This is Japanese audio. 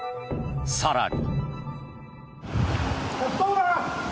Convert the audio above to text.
更に。